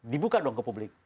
dibuka dong ke publik